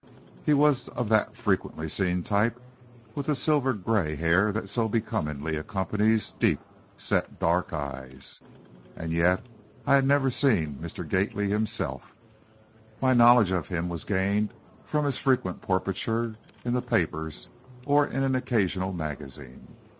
He was of that frequently seen type, with the silver gray hair that so becomingly accompanies deep set dark eyes. And yet, I had never seen Mr. Gately himself. My knowledge of him was gained from his frequent portraiture in the papers or in an occasional magazine.